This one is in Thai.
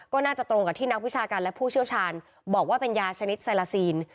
ก็น่าจะตรงกับที่นักวิชาการและผู้เชี่ยวชาญบอกว่าเป็นยาชนิดไซลาซีน